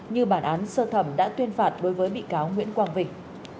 như bản án sơ thẩm đã tuyên phạt đối với bị cáo nguyễn quang vinh